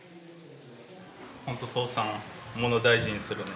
本当父さん物を大事にするね。